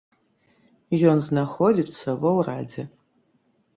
Ён знаходзіцца ва ўрадзе.